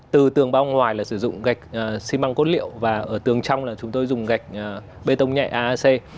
từ tường băng ngoài là sử dụng gạch xi măng cốt liệu và ở tường trong là chúng tôi dùng gạch bê tông nhẹ aac